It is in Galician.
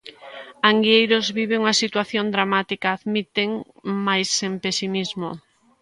Anguieiros vive unha situación dramática, admiten, mais sen pesimismo.